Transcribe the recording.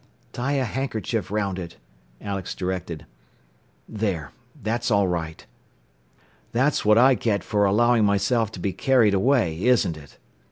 "Tie a handkerchief round it," Alex directed. "There. That's all right. "That's what I get for allowing myself to be carried away, isn't it?"